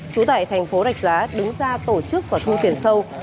chú tải tp rạch giá đứng ra tổ chức và thu tiền sâu